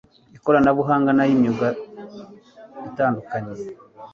ikoranabuhanga n'ay'imyuga itandukanye